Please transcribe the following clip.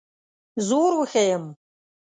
زور وښیم.